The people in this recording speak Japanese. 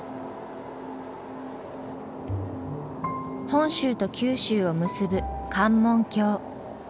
本州と九州を結ぶ関門橋。